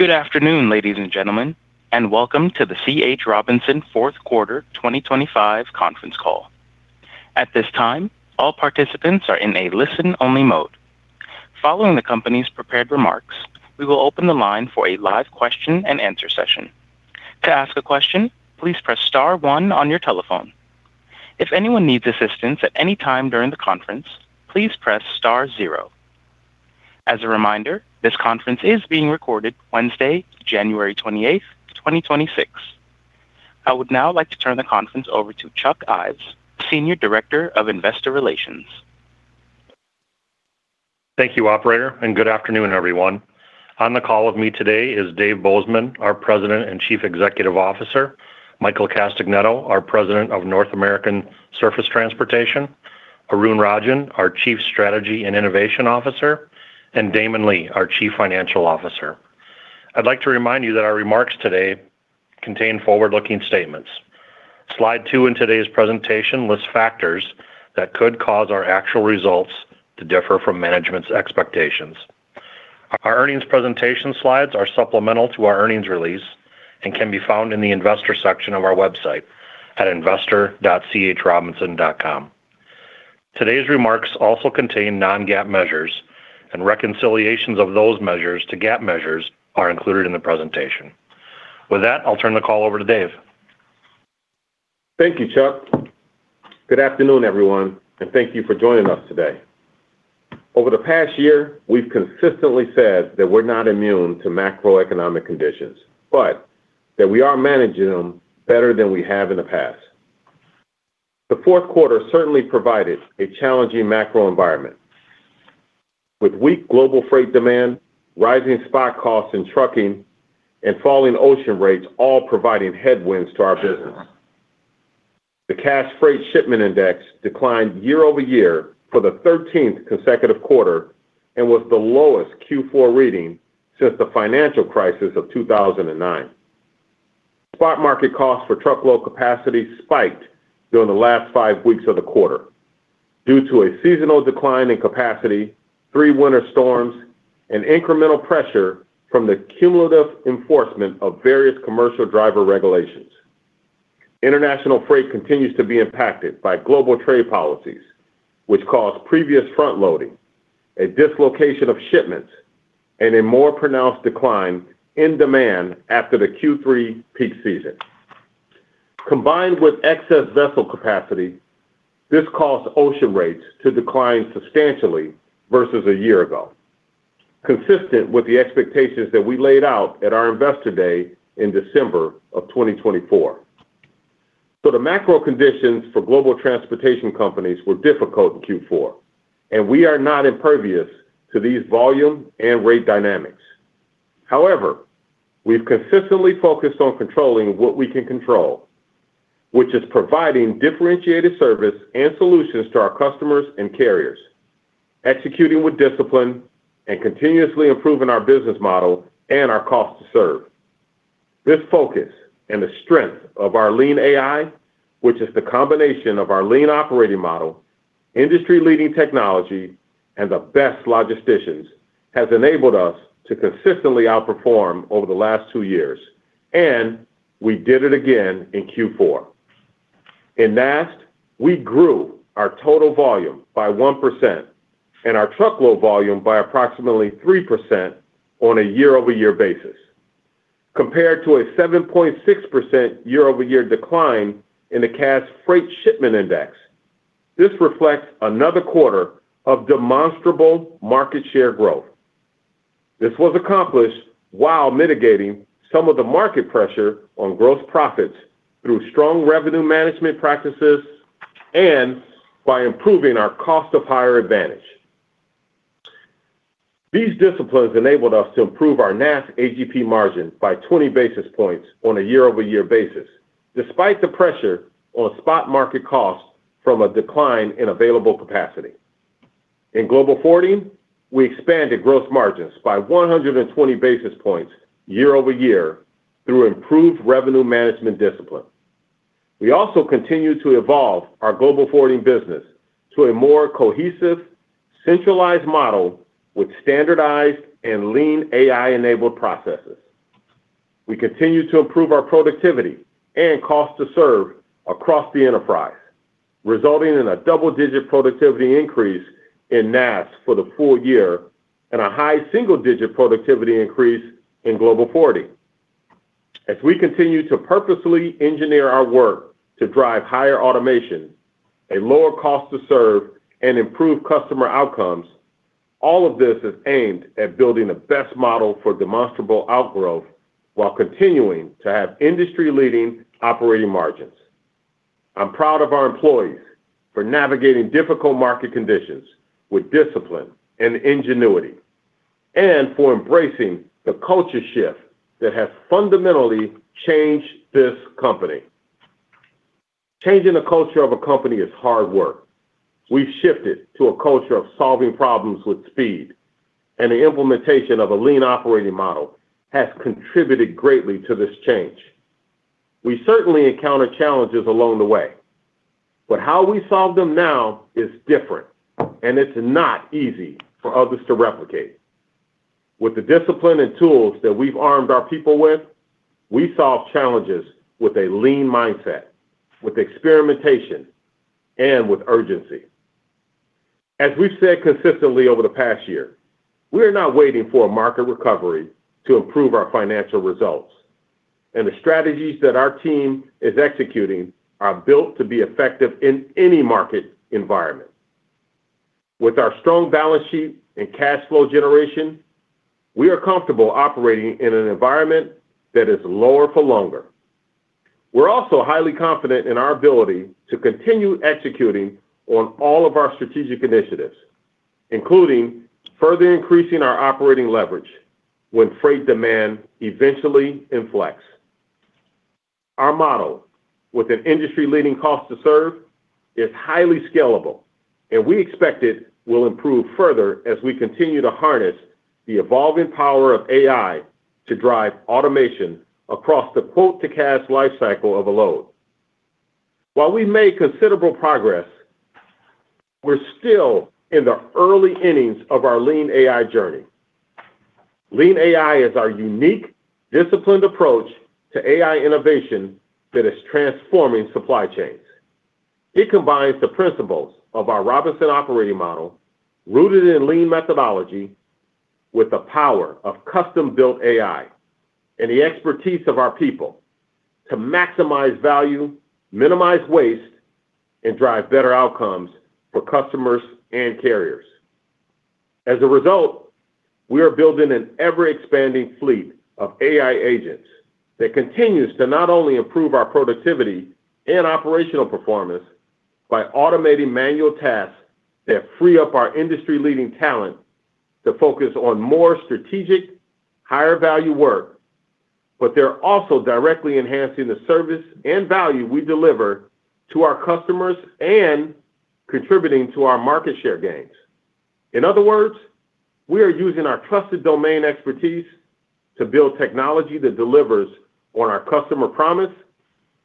Good afternoon, ladies and gentlemen, and welcome to the C.H. Robinson Fourth Quarter 2025 Conference Call. At this time, all participants are in a listen-only mode. Following the company's prepared remarks, we will open the line for a live question-and-answer session. To ask a question, please press star one on your telephone. If anyone needs assistance at any time during the conference, please press star zero. As a reminder, this conference is being recorded Wednesday, January 28th, 2026. I would now like to turn the conference over to Chuck Ives, Senior Director of Investor Relations. Thank you, operator, and good afternoon, everyone. On the call with me today is Dave Bozeman, our President and Chief Executive Officer, Michael Castagnetto, our President of North American Surface Transportation, Arun Rajan, our Chief Strategy and Innovation Officer, and Damon Lee, our Chief Financial Officer. I'd like to remind you that our remarks today contain forward-looking statements. Slide 2 in today's presentation lists factors that could cause our actual results to differ from management's expectations. Our earnings presentation slides are supplemental to our earnings release and can be found in the investor section of our website at investor.chrobinson.com. Today's remarks also contain non-GAAP measures, and reconciliations of those measures to GAAP measures are included in the presentation. With that, I'll turn the call over to Dave. Thank you, Chuck. Good afternoon, everyone, and thank you for joining us today. Over the past year, we've consistently said that we're not immune to macroeconomic conditions, but that we are managing them better than we have in the past. The fourth quarter certainly provided a challenging macro environment, with weak global freight demand, rising spot costs in trucking, and falling ocean rates, all providing headwinds to our business. The Cass Freight Shipment Index declined year-over-year for the thirteenth consecutive quarter and was the lowest Q4 reading since the financial crisis of 2009. Spot market costs for truckload capacity spiked during the last five weeks of the quarter due to a seasonal decline in capacity, three winter storms, and incremental pressure from the cumulative enforcement of various commercial driver regulations. International freight continues to be impacted by global trade policies, which caused previous front-loading, a dislocation of shipments, and a more pronounced decline in demand after the Q3 peak season. Combined with excess vessel capacity, this caused ocean rates to decline substantially versus a year ago, consistent with the expectations that we laid out at our Investor Day in December of 2024. The macro conditions for global transportation companies were difficult in Q4, and we are not impervious to these volume and rate dynamics. However, we've consistently focused on controlling what we can control, which is providing differentiated service and solutions to our customers and carriers, executing with discipline, and continuously improving our business model and our cost to serve. This focus and the strength of our Lean AI, which is the combination of our lean operating model, industry-leading technology, and the best logisticians, has enabled us to consistently outperform over the last two years, and we did it again in Q4. In NAST, we grew our total volume by 1% and our truckload volume by approximately 3% on a year-over-year basis, compared to a 7.6% year-over-year decline in the Cass Freight Shipment Index. This reflects another quarter of demonstrable market share growth. This was accomplished while mitigating some of the market pressure on gross profits through strong revenue management practices and by improving our cost of hire advantage. These disciplines enabled us to improve our NAST AGP margin by 20 basis points on a year-over-year basis, despite the pressure on spot market costs from a decline in available capacity. In Global Forwarding, we expanded gross margins by 100 basis points year-over-year through improved revenue management discipline. We also continued to evolve our Global Forwarding business to a more cohesive, centralized model with standardized and Lean AI-enabled processes. We continue to improve our productivity and cost to serve across the enterprise, resulting in a double-digit productivity increase in NAST for the full year and a high single-digit productivity increase in Global Forwarding. As we continue to purposefully engineer our work to drive higher automation, a lower cost to serve, and improve customer outcomes, all of this is aimed at building the best model for demonstrable outgrowth while continuing to have industry-leading operating margins. I'm proud of our employees for navigating difficult market conditions with discipline and ingenuity, and for embracing the culture shift that has fundamentally changed this company. Changing the culture of a company is hard work. We've shifted to a culture of solving problems with speed, and the implementation of a lean operating model has contributed greatly to this change. We certainly encountered challenges along the way. But how we solve them now is different, and it's not easy for others to replicate. With the discipline and tools that we've armed our people with, we solve challenges with a lean mindset, with experimentation, and with urgency. As we've said consistently over the past year, we are not waiting for a market recovery to improve our financial results, and the strategies that our team is executing are built to be effective in any market environment. With our strong balance sheet and cash flow generation, we are comfortable operating in an environment that is lower for longer. We're also highly confident in our ability to continue executing on all of our strategic initiatives, including further increasing our operating leverage when freight demand eventually inflects. Our model, with an industry-leading cost to serve, is highly scalable, and we expect it will improve further as we continue to harness the evolving power of AI to drive automation across the quote-to-cash life cycle of a load. While we make considerable progress, we're still in the early innings of our Lean AI journey. Lean AI is our unique, disciplined approach to AI innovation that is transforming supply chains. It combines the principles of our Robinson operating model, rooted in lean methodology, with the power of custom-built AI and the expertise of our people to maximize value, minimize waste, and drive better outcomes for customers and carriers. As a result, we are building an ever-expanding fleet of AI agents that continues to not only improve our productivity and operational performance by automating manual tasks that free up our industry-leading talent to focus on more strategic, higher-value work, but they're also directly enhancing the service and value we deliver to our customers and contributing to our market share gains. In other words, we are using our trusted domain expertise to build technology that delivers on our customer promise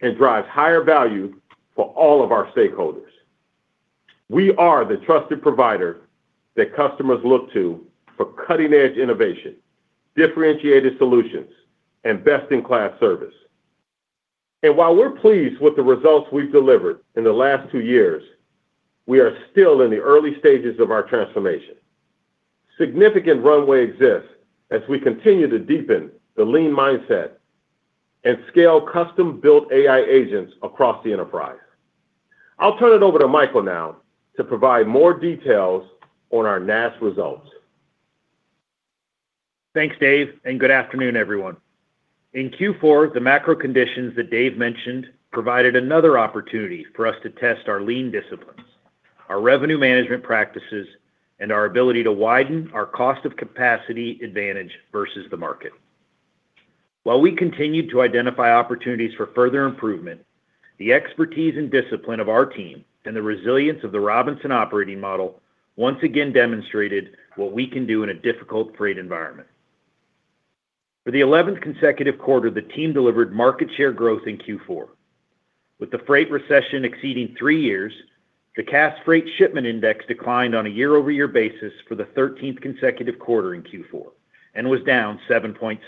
and drives higher value for all of our stakeholders. We are the trusted provider that customers look to for cutting-edge innovation, differentiated solutions, and best-in-class service. And while we're pleased with the results we've delivered in the last two years, we are still in the early stages of our transformation. Significant runway exists as we continue to deepen the lean mindset and scale custom-built AI agents across the enterprise. I'll turn it over to Michael now to provide more details on our NAST results. Thanks, Dave, and good afternoon, everyone. In Q4, the macro conditions that Dave mentioned provided another opportunity for us to test our lean disciplines, our revenue management practices, and our ability to widen our cost of capacity advantage versus the market. While we continued to identify opportunities for further improvement, the expertise and discipline of our team and the resilience of the Robinson operating model once again demonstrated what we can do in a difficult freight environment. For the 11th consecutive quarter, the team delivered market share growth in Q4. With the freight recession exceeding 3 years, the Cass Freight Shipment Index declined on a year-over-year basis for the 13th consecutive quarter in Q4 and was down 7.6%.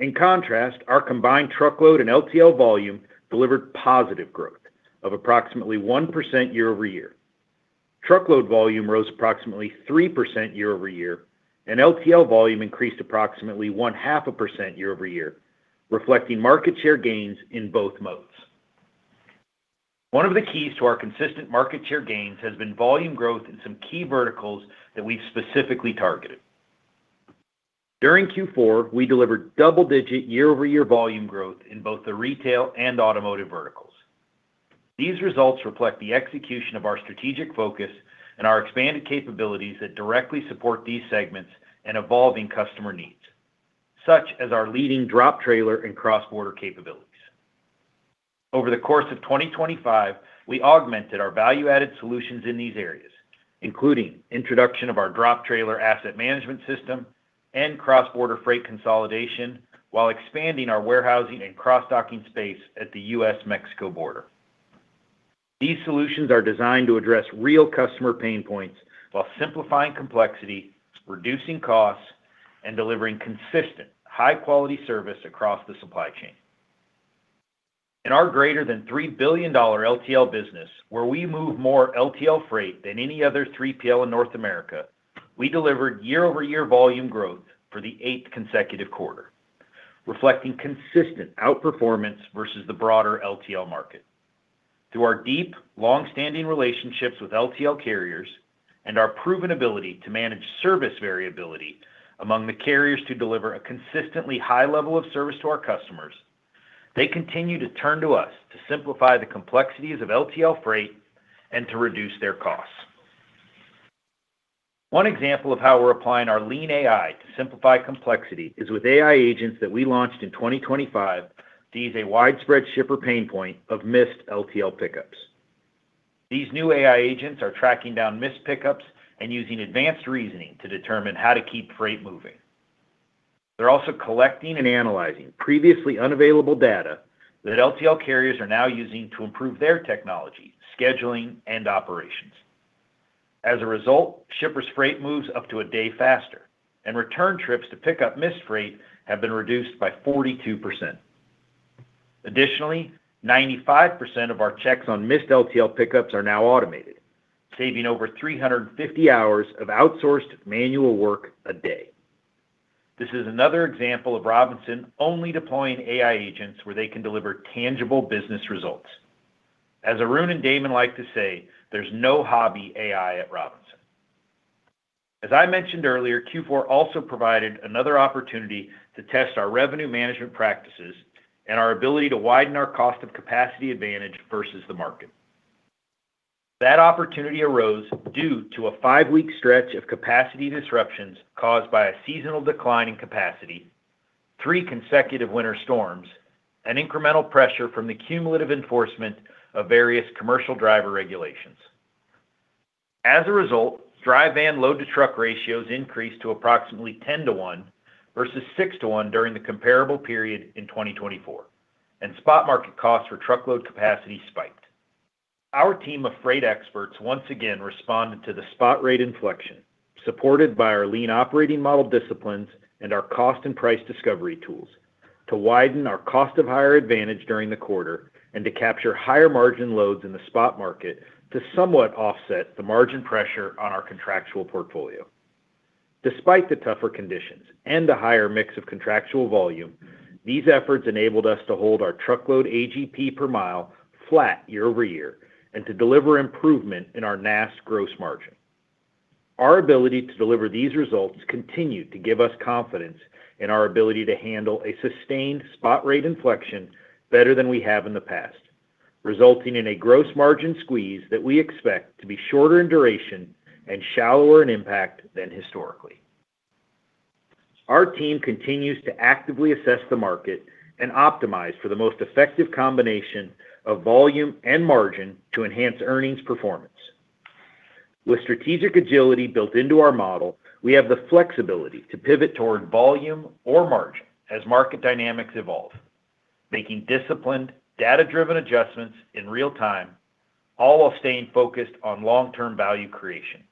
In contrast, our combined truckload and LTL volume delivered positive growth of approximately 1% year-over-year. Truckload volume rose approximately 3% year-over-year, and LTL volume increased approximately 0.5% year-over-year, reflecting market share gains in both modes. One of the keys to our consistent market share gains has been volume growth in some key verticals that we've specifically targeted. During Q4, we delivered double-digit year-over-year volume growth in both the retail and automotive verticals. These results reflect the execution of our strategic focus and our expanded capabilities that directly support these segments and evolving customer needs, such as our leading drop trailer and cross-border capabilities. Over the course of 2025, we augmented our value-added solutions in these areas, including introduction of our drop trailer asset management system and cross-border freight consolidation, while expanding our warehousing and cross-docking space at the U.S.-Mexico border. These solutions are designed to address real customer pain points while simplifying complexity, reducing costs, and delivering consistent, high-quality service across the supply chain. In our greater than $3 billion LTL business, where we move more LTL freight than any other 3PL in North America, we delivered year-over-year volume growth for the eighth consecutive quarter, reflecting consistent outperformance versus the broader LTL market. Through our deep, long-standing relationships with LTL carriers and our proven ability to manage service variability among the carriers to deliver a consistently high level of service to our customers, they continue to turn to us to simplify the complexities of LTL freight and to reduce their costs. One example of how we're applying our Lean AI to simplify complexity is with AI agents that we launched in 2025 to ease a widespread shipper pain point of missed LTL pickups.... These new AI agents are tracking down missed pickups and using advanced reasoning to determine how to keep freight moving. They're also collecting and analyzing previously unavailable data that LTL carriers are now using to improve their technology, scheduling, and operations. As a result, shippers' freight moves up to a day faster, and return trips to pick up missed freight have been reduced by 42%. Additionally, 95% of our checks on missed LTL pickups are now automated, saving over 350 hours of outsourced manual work a day. This is another example of Robinson only deploying AI agents where they can deliver tangible business results. As Arun and Damon like to say, "There's no hobby AI at Robinson." As I mentioned earlier, Q4 also provided another opportunity to test our revenue management practices and our ability to widen our cost of capacity advantage versus the market. That opportunity arose due to a 5-week stretch of capacity disruptions caused by a seasonal decline in capacity, 3 consecutive winter storms, and incremental pressure from the cumulative enforcement of various commercial driver regulations. As a result, dry van load-to-truck ratios increased to approximately 10 to 1, versus 6 to 1 during the comparable period in 2024, and spot market costs for truckload capacity spiked. Our team of freight experts once again responded to the spot rate inflection, supported by our lean operating model disciplines and our cost and price discovery tools, to widen our cost of hire advantage during the quarter and to capture higher-margin loads in the spot market to somewhat offset the margin pressure on our contractual portfolio. Despite the tougher conditions and the higher mix of contractual volume, these efforts enabled us to hold our truckload AGP per mile flat year over year, and to deliver improvement in our NAST gross margin. Our ability to deliver these results continued to give us confidence in our ability to handle a sustained spot rate inflection better than we have in the past, resulting in a gross margin squeeze that we expect to be shorter in duration and shallower in impact than historically. Our team continues to actively assess the market and optimize for the most effective combination of volume and margin to enhance earnings performance. With strategic agility built into our model, we have the flexibility to pivot toward volume or margin as market dynamics evolve, making disciplined, data-driven adjustments in real time, all while staying focused on long-term value creation.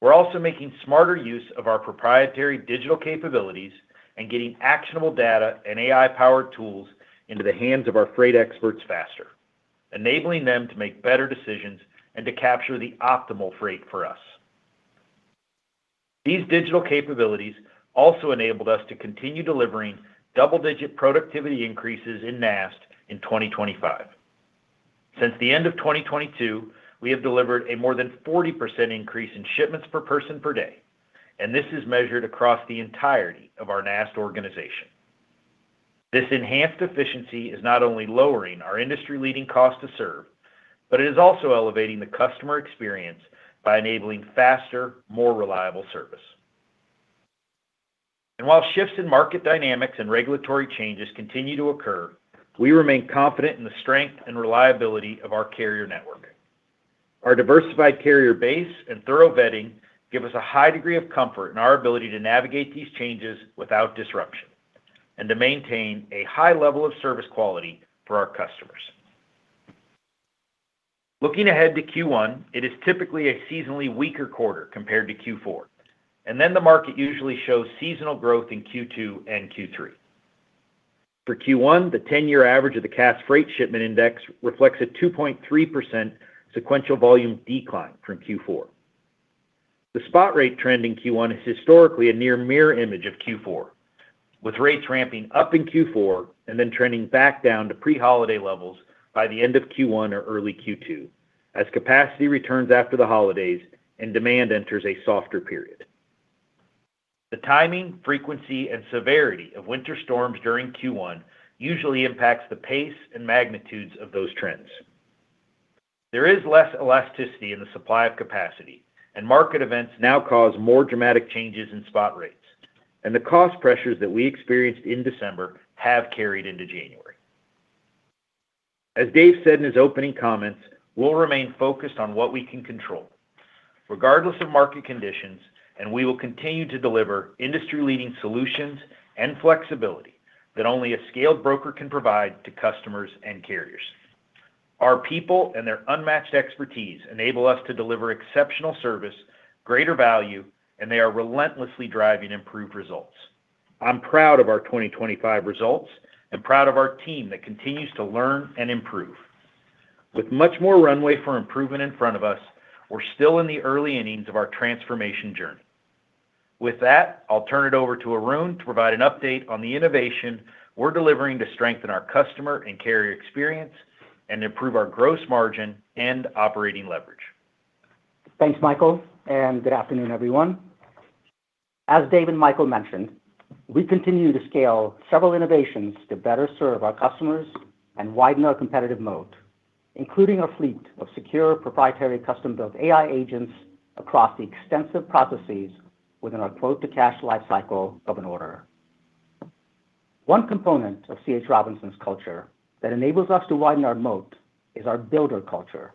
We're also making smarter use of our proprietary digital capabilities and getting actionable data and AI-powered tools into the hands of our freight experts faster, enabling them to make better decisions and to capture the optimal freight for us. These digital capabilities also enabled us to continue delivering double-digit productivity increases in NAST in 2025. Since the end of 2022, we have delivered a more than 40% increase in shipments per person per day, and this is measured across the entirety of our NAST organization. This enhanced efficiency is not only lowering our industry-leading cost to serve, but it is also elevating the customer experience by enabling faster, more reliable service. And while shifts in market dynamics and regulatory changes continue to occur, we remain confident in the strength and reliability of our carrier network. Our diversified carrier base and thorough vetting give us a high degree of comfort in our ability to navigate these changes without disruption, and to maintain a high level of service quality for our customers. Looking ahead to Q1, it is typically a seasonally weaker quarter compared to Q4, and then the market usually shows seasonal growth in Q2 and Q3. For Q1, the ten-year average of the Cass Freight Shipment Index reflects a 2.3% sequential volume decline from Q4. The spot rate trend in Q1 is historically a near mirror image of Q4, with rates ramping up in Q4 and then trending back down to pre-holiday levels by the end of Q1 or early Q2, as capacity returns after the holidays and demand enters a softer period. The timing, frequency, and severity of winter storms during Q1 usually impacts the pace and magnitudes of those trends. There is less elasticity in the supply of capacity, and market events now cause more dramatic changes in spot rates, and the cost pressures that we experienced in December have carried into January. As Dave said in his opening comments, we'll remain focused on what we can control, regardless of market conditions, and we will continue to deliver industry-leading solutions and flexibility that only a scaled broker can provide to customers and carriers. Our people and their unmatched expertise enable us to deliver exceptional service, greater value, and they are relentlessly driving improved results. I'm proud of our 2025 results and proud of our team that continues to learn and improve. With much more runway for improvement in front of us, we're still in the early innings of our transformation journey. With that, I'll turn it over to Arun to provide an update on the innovation we're delivering to strengthen our customer and carrier experience and improve our gross margin and operating leverage. Thanks, Michael, and good afternoon, everyone. As Dave and Michael mentioned, we continue to scale several innovations to better serve our customers and widen our competitive moat, including our fleet of secure, proprietary, custom-built AI agents across the extensive processes within our quote-to-cash life cycle of an order.... One component of C.H. Robinson's culture that enables us to widen our moat is our builder culture,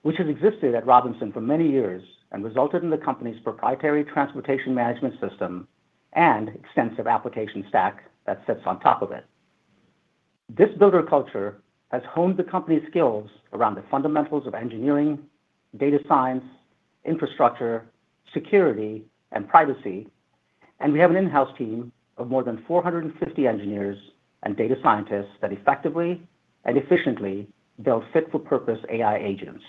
which has existed at Robinson for many years and resulted in the company's proprietary transportation management system and extensive application stack that sits on top of it. This builder culture has honed the company's skills around the fundamentals of engineering, data science, infrastructure, security, and privacy, and we have an in-house team of more than 450 engineers and data scientists that effectively and efficiently build fit-for-purpose AI agents.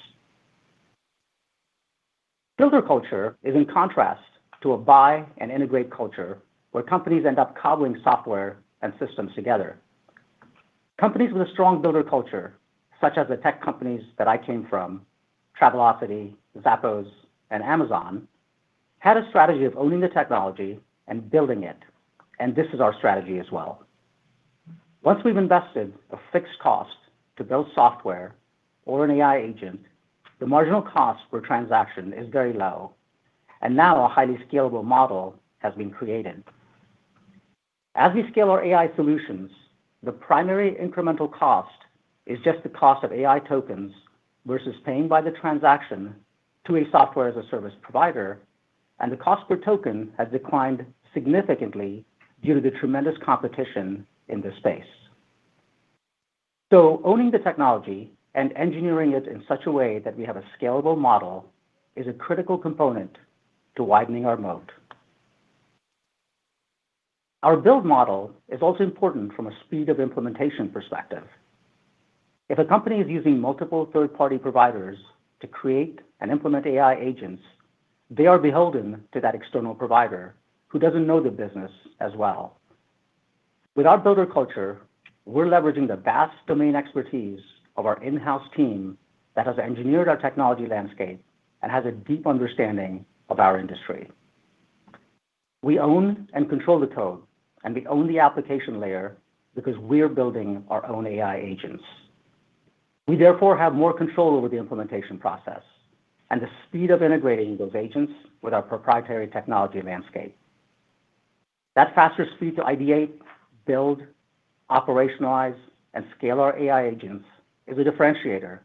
Builder culture is in contrast to a buy and integrate culture, where companies end up cobbling software and systems together. Companies with a strong builder culture, such as the tech companies that I came from, Travelocity, Zappos, and Amazon, had a strategy of owning the technology and building it, and this is our strategy as well. Once we've invested a fixed cost to build software or an AI agent, the marginal cost per transaction is very low, and now a highly scalable model has been created. As we scale our AI solutions, the primary incremental cost is just the cost of AI tokens versus paying by the transaction to a software as a service provider, and the cost per token has declined significantly due to the tremendous competition in this space. Owning the technology and engineering it in such a way that we have a scalable model is a critical component to widening our moat. Our build model is also important from a speed of implementation perspective. If a company is using multiple third-party providers to create and implement AI agents, they are beholden to that external provider who doesn't know the business as well. With our builder culture, we're leveraging the vast domain expertise of our in-house team that has engineered our technology landscape and has a deep understanding of our industry. We own and control the code, and we own the application layer because we are building our own AI agents. We therefore have more control over the implementation process and the speed of integrating those agents with our proprietary technology landscape. That faster speed to ideate, build, operationalize, and scale our AI agents is a differentiator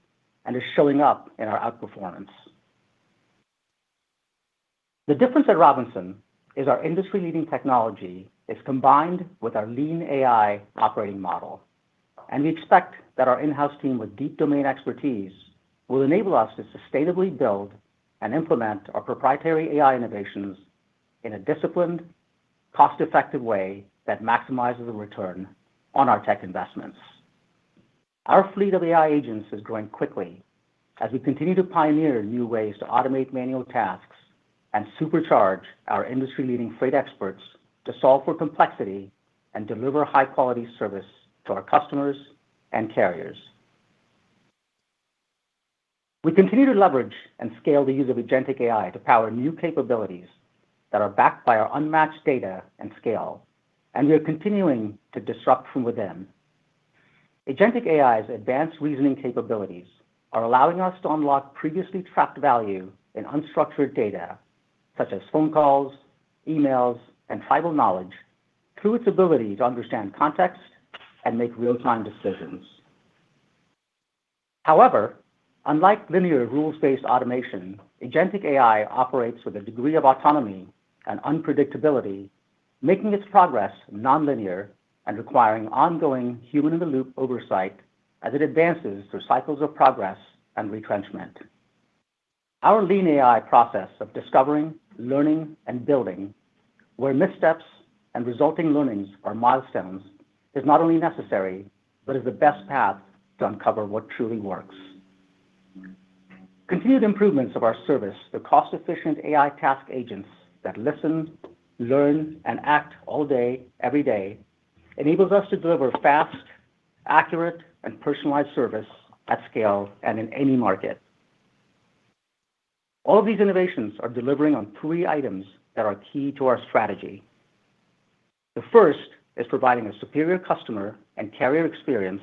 and is showing up in our outperformance. The difference at Robinson is our industry-leading technology is combined with our Lean AI operating model, and we expect that our in-house team with deep domain expertise will enable us to sustainably build and implement our proprietary AI innovations in a disciplined, cost-effective way that maximizes the return on our tech investments. Our fleet of AI agents is growing quickly as we continue to pioneer new ways to automate manual tasks and supercharge our industry-leading freight experts to solve for complexity and deliver high-quality service to our customers and carriers. We continue to leverage and scale the use of agentic AI to power new capabilities that are backed by our unmatched data and scale, and we are continuing to disrupt from within. agentic AI's advanced reasoning capabilities are allowing us to unlock previously trapped value in unstructured data, such as phone calls, emails, and tribal knowledge, through its ability to understand context and make real-time decisions. However, unlike linear rules-based automation, agentic AI operates with a degree of autonomy and unpredictability, making its progress nonlinear and requiring ongoing human-in-the-loop oversight as it advances through cycles of progress and retrenchment. Our lean AI process of discovering, learning, and building, where missteps and resulting learnings are milestones, is not only necessary, but is the best path to uncover what truly works. Continued improvements of our service through cost-efficient AI task agents that listen, learn, and act all day, every day, enables us to deliver fast, accurate, and personalized service at scale and in any market. All of these innovations are delivering on three items that are key to our strategy. The first is providing a superior customer and carrier experience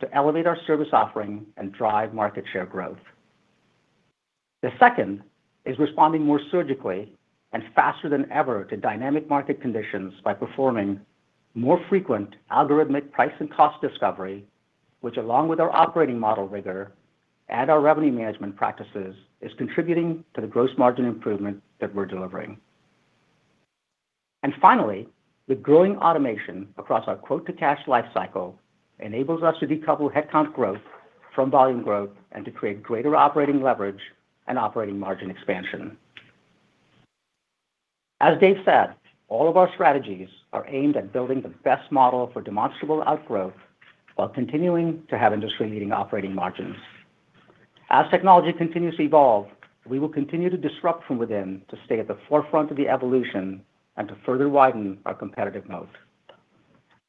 to elevate our service offering and drive market share growth. The second is responding more surgically and faster than ever to dynamic market conditions by performing more frequent algorithmic price and cost discovery, which, along with our operating model rigor and our revenue management practices, is contributing to the gross margin improvement that we're delivering. And finally, the growing automation across our quote-to-cash life cycle enables us to decouple headcount growth from volume growth, and to create greater operating leverage and operating margin expansion. As Dave said, all of our strategies are aimed at building the best model for demonstrable outgrowth while continuing to have industry-leading operating margins. As technology continues to evolve, we will continue to disrupt from within to stay at the forefront of the evolution and to further widen our competitive moat.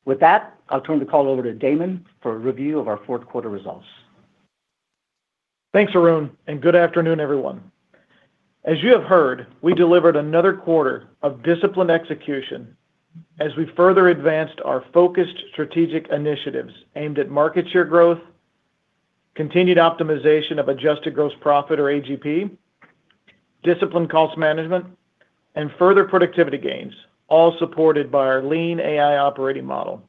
With that, I'll turn the call over to Damon for a review of our fourth quarter results. Thanks, Arun, and good afternoon, everyone. As you have heard, we delivered another quarter of disciplined execution as we further advanced our focused strategic initiatives aimed at market share growth, continued optimization of adjusted gross profit, or AGP, disciplined cost management, and further productivity gains, all supported by our Lean AI operating model.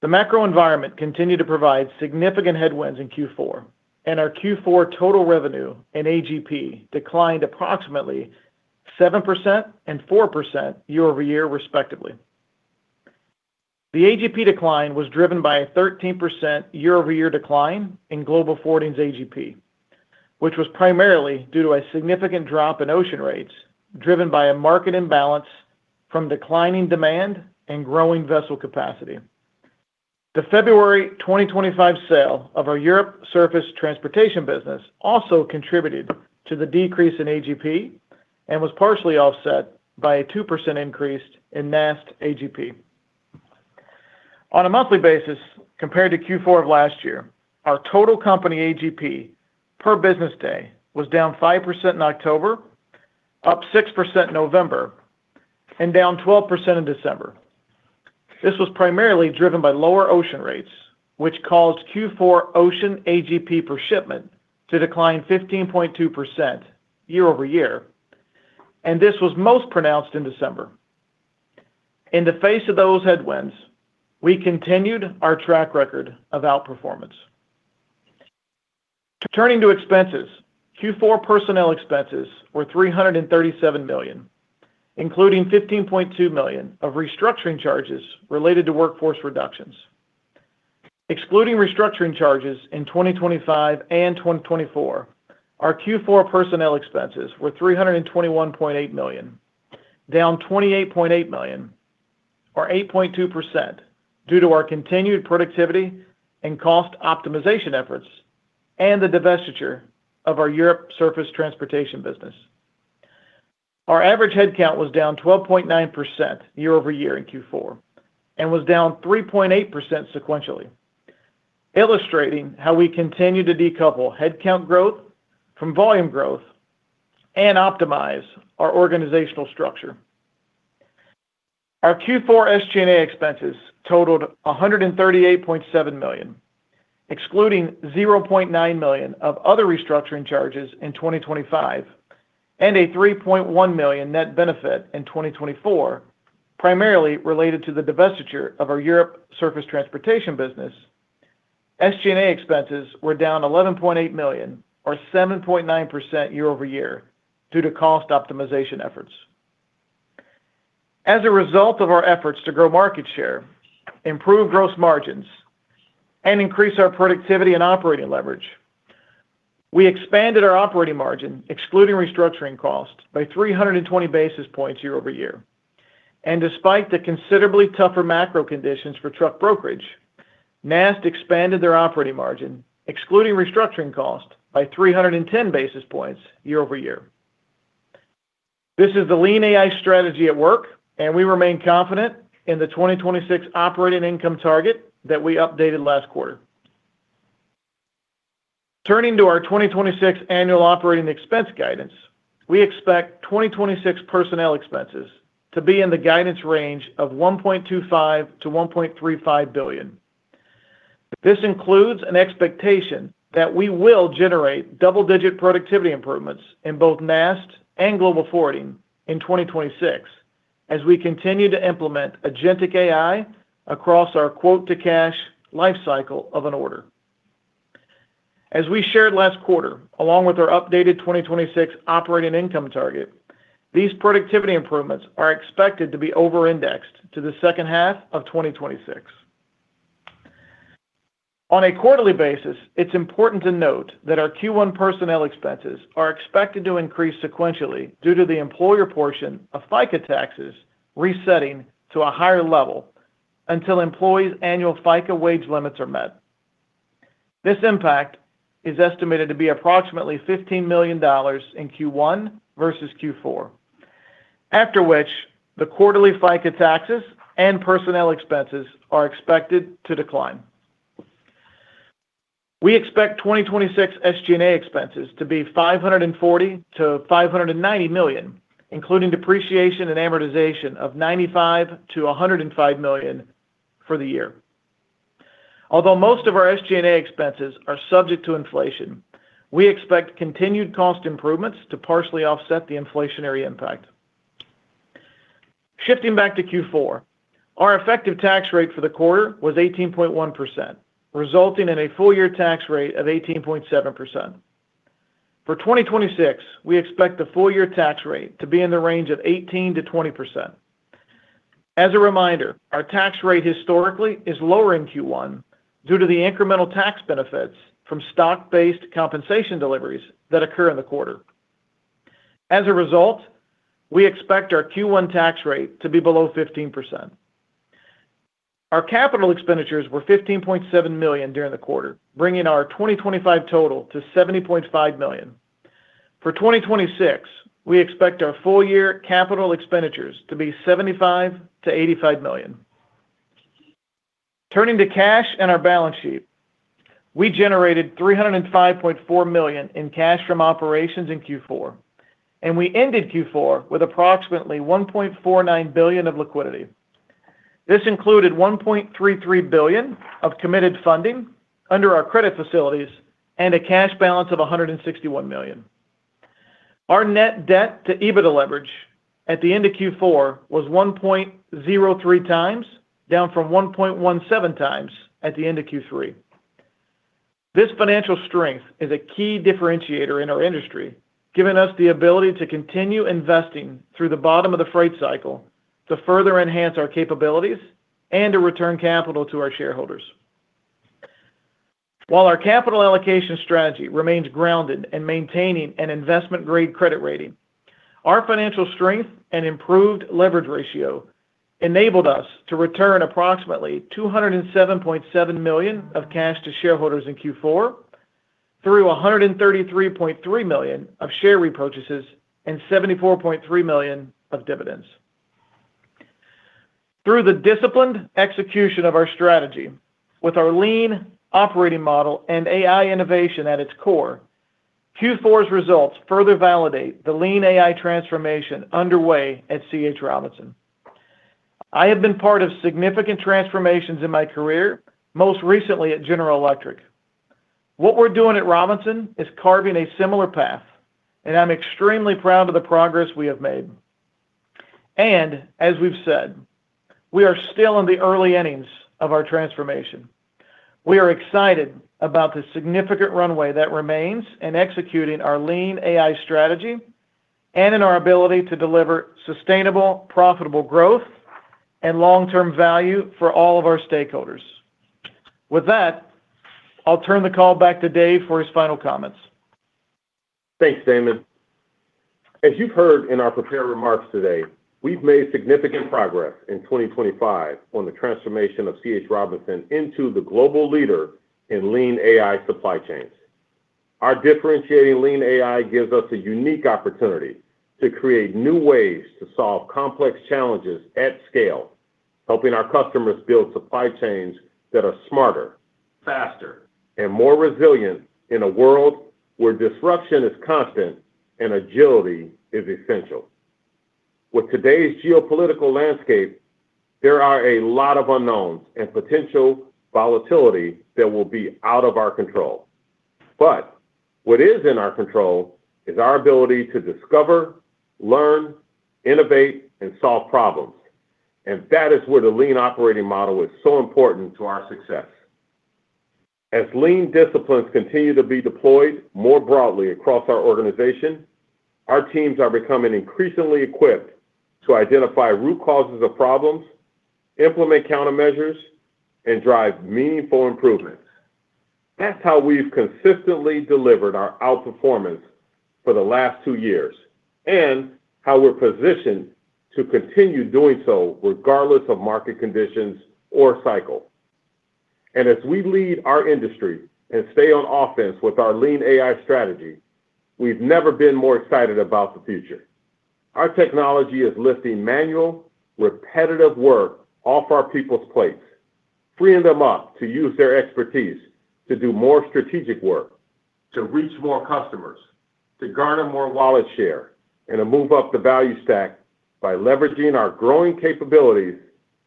The macro environment continued to provide significant headwinds in Q4, and our Q4 total revenue and AGP declined approximately 7% and 4% year-over-year, respectively. The AGP decline was driven by a 13% year-over-year decline in Global Forwarding's AGP, which was primarily due to a significant drop in ocean rates, driven by a market imbalance from declining demand and growing vessel capacity. The February 2025 sale of our Europe Surface Transportation business also contributed to the decrease in AGP and was partially offset by a 2% increase in NAST AGP. On a monthly basis, compared to Q4 of last year, our total company AGP per business day was down 5% in October, up 6% in November, and down 12% in December. This was primarily driven by lower ocean rates, which caused Q4 ocean AGP per shipment to decline 15.2% year over year, and this was most pronounced in December. In the face of those headwinds, we continued our track record of outperformance. Turning to expenses, Q4 personnel expenses were $337 million, including $15.2 million of restructuring charges related to workforce reductions. Excluding restructuring charges in 2025 and 2024, our Q4 personnel expenses were $321.8 million, down $28.8 million, or 8.2%, due to our continued productivity and cost optimization efforts and the divestiture of our Europe Surface Transportation business. Our average headcount was down 12.9% year-over-year in Q4, and was down 3.8% sequentially, illustrating how we continue to decouple headcount growth from volume growth and optimize our organizational structure. Our Q4 SG&A expenses totaled $138.7 million, excluding $0.9 million of other restructuring charges in 2025, and a $3.1 million net benefit in 2024, primarily related to the divestiture of our Europe Surface Transportation business. SG&A expenses were down $11.8 million, or 7.9% year-over-year, due to cost optimization efforts. As a result of our efforts to grow market share, improve gross margins, and increase our productivity and operating leverage, we expanded our operating margin, excluding restructuring costs, by 320 basis points year-over-year. Despite the considerably tougher macro conditions for truck brokerage, NAST expanded their operating margin, excluding restructuring costs, by 310 basis points year-over-year. This is the Lean AI strategy at work, and we remain confident in the 2026 operating income target that we updated last quarter. Turning to our 2026 annual operating expense guidance, we expect 2026 personnel expenses to be in the guidance range of $1.25 billion-$1.35 billion. This includes an expectation that we will generate double-digit productivity improvements in both NAST and Global Forwarding in 2026, as we continue to implement agentic AI across our quote-to-cash lifecycle of an order. As we shared last quarter, along with our updated 2026 operating income target, these productivity improvements are expected to be over-indexed to the second half of 2026. On a quarterly basis, it's important to note that our Q1 personnel expenses are expected to increase sequentially due to the employer portion of FICA taxes resetting to a higher level until employees' annual FICA wage limits are met. This impact is estimated to be approximately $15 million in Q1 versus Q4, after which the quarterly FICA taxes and personnel expenses are expected to decline. We expect 2026 SG&A expenses to be $540 million-$590 million, including depreciation and amortization of $95 million-$105 million for the year. Although most of our SG&A expenses are subject to inflation, we expect continued cost improvements to partially offset the inflationary impact. Shifting back to Q4, our effective tax rate for the quarter was 18.1%, resulting in a full year tax rate of 18.7%. For 2026, we expect the full year tax rate to be in the range of 18%-20%. As a reminder, our tax rate historically is lower in Q1 due to the incremental tax benefits from stock-based compensation deliveries that occur in the quarter. As a result, we expect our Q1 tax rate to be below 15%. Our capital expenditures were $15.7 million during the quarter, bringing our 2025 total to $70.5 million. For 2026, we expect our full year capital expenditures to be $75 million-$85 million. Turning to cash and our balance sheet, we generated $305.4 million in cash from operations in Q4, and we ended Q4 with approximately $1.49 billion of liquidity. This included $1.33 billion of committed funding under our credit facilities and a cash balance of $161 million. Our net debt to EBITDA leverage at the end of Q4 was 1.03 times, down from 1.17x at the end of Q3. This financial strength is a key differentiator in our industry, giving us the ability to continue investing through the bottom of the freight cycle to further enhance our capabilities and to return capital to our shareholders. While our capital allocation strategy remains grounded in maintaining an investment-grade credit rating, our financial strength and improved leverage ratio enabled us to return approximately $207.7 million of cash to shareholders in Q4, through $133.3 million of share repurchases and $74.3 million of dividends. Through the disciplined execution of our strategy with our lean operating model and AI innovation at its core, Q4's results further validate the Lean AI transformation underway at C.H. Robinson. I have been part of significant transformations in my career, most recently at General Electric. What we're doing at Robinson is carving a similar path, and I'm extremely proud of the progress we have made. And as we've said, we are still in the early innings of our transformation. We are excited about the significant runway that remains in executing our Lean AI strategy and in our ability to deliver sustainable, profitable growth and long-term value for all of our stakeholders. With that, I'll turn the call back to Dave for his final comments. Thanks, Damon. As you've heard in our prepared remarks today, we've made significant progress in 2025 on the transformation of C.H. Robinson into the global leader in lean AI supply chains. Our differentiating lean AI gives us a unique opportunity to create new ways to solve complex challenges at scale, helping our customers build supply chains that are smarter, faster, and more resilient in a world where disruption is constant and agility is essential. With today's geopolitical landscape, there are a lot of unknowns and potential volatility that will be out of our control. But what is in our control is our ability to discover, learn, innovate, and solve problems, and that is where the lean operating model is so important to our success. As lean disciplines continue to be deployed more broadly across our organization, our teams are becoming increasingly equipped to identify root causes of problems, implement countermeasures, and drive meaningful improvements. That's how we've consistently delivered our outperformance for the last two years and how we're positioned to continue doing so regardless of market conditions or cycle. As we lead our industry and stay on offense with our lean AI strategy, we've never been more excited about the future. Our technology is lifting manual, repetitive work off our people's plates, freeing them up to use their expertise to do more strategic work, to reach more customers, to garner more wallet share, and to move up the value stack by leveraging our growing capabilities